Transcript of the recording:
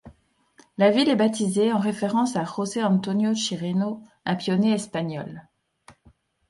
La ville est baptisée en référence à Jose Antonio Chireno, un pionnier espagnol.